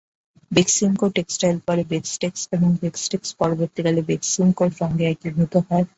Beximco textile পরে বেক্সটেক্স এবং বেক্সটেক্স পরবর্তীকালে বেক্সিমকোর সঙ্গে একীভূত হয়।